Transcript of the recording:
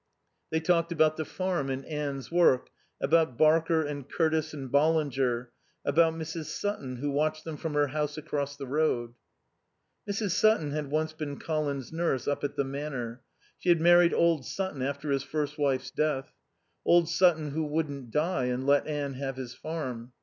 They talked about the farm and Anne's work, about Barker and Curtis and Ballinger, about Mrs. Sutton who watched them from her house across the road. Mrs. Sutton had once been Colin's nurse up at the Manor: she had married old Sutton after his first wife's death; old Sutton who wouldn't die and let Anne have his farm.